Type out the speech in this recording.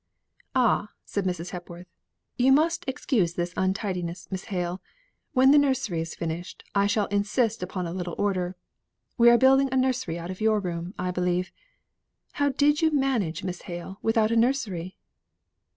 "Ah!" said Mrs. Hepworth, "you must excuse this untidiness, Miss Hale. When the nursery is finished, I shall insist upon a little order. We are building a nursery out of your room, I believe. How did you manage, Miss Hale, without a nursery?"